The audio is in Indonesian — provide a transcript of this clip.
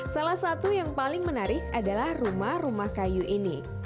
salah satu yang paling menarik adalah rumah rumah kayu ini